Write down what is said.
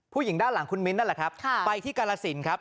ใกล้เลิกตั้งแล้ว